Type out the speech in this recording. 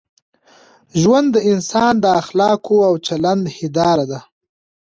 ژوند د انسان د اخلاقو او چلند هنداره ده.